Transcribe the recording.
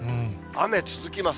雨続きます。